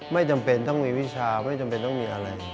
ไม่จำเป็นต้องมีวิชาไม่จำเป็นต้องมีอะไร